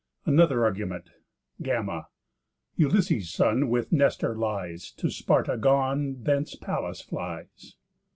ANOTHER ARGUMENT Γἀμμα. Ulysses' son With Nestor lies, To Sparta gone; Thence Pallas flies.